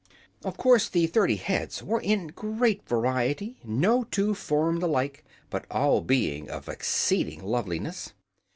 Of course the thirty heads were in great variety, no two formed alike but all being of exceeding loveliness.